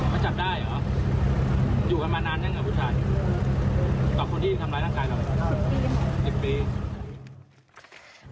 ๑๐ปี